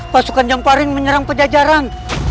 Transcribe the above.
pasukan jomparin menyerang penjajaran